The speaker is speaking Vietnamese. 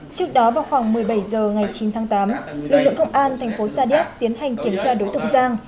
trước đó vào khoảng một mươi bảy h ngày chín tháng tám lực lượng công an tp sa điếp tiến hành kiểm tra đối tượng giang